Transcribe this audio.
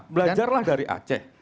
belajarlah dari aceh